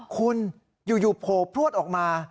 คุณอยู่โผล่พลวดออกมา